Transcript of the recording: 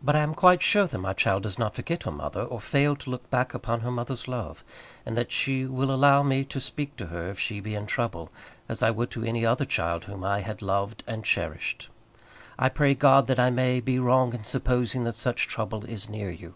But I am quite sure that my child does not forget her mother, or fail to look back upon her mother's love; and that she will allow me to speak to her if she be in trouble, as I would to any other child whom I had loved and cherished. I pray God that I may be wrong in supposing that such trouble is near you.